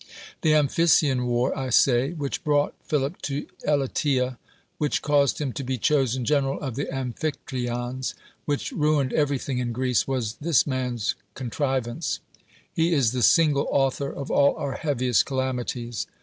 The Amphissian War, I say — which brought Philip to Elatea, which caused him to be chosen general of the Aniphictyons, which ruined everything in Greece — was this man's contri vance. He is the single author of all our heaviest calamities.